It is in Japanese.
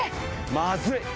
まずい！